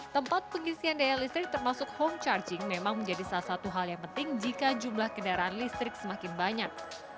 tempat pengisian daya listrik termasuk home charging memang menjadi salah satu hal yang penting jika jumlah kendaraan listrik semakin banyak